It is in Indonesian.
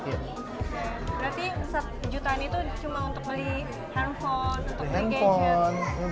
berarti jutaan itu cuma untuk beli handphone untuk beli gadget